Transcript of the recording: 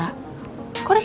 ya udah sampe sis